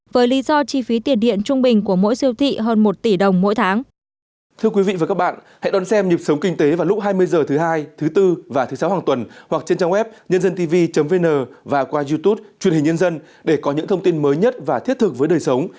với lý do chi phí tiền điện trung bình của mỗi siêu thị hơn một tỷ đồng mỗi tháng